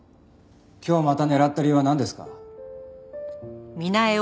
今日また狙った理由はなんですか？